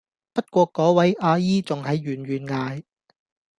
不過果位阿姨仲喺遠遠嗌